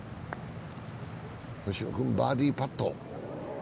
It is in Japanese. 星野君、バーディーパット。